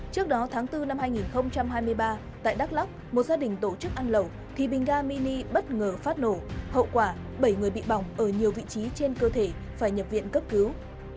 trước đó tháng bốn năm hai nghìn hai mươi ba tại đắk lóc một gia đình tổ chức ăn lẩu thì bình ga mini bất ngờ phát nổ hậu quả bảy người bị bỏng ở nhiều vị trí trên cơ thể phải nhập viện cấp cứu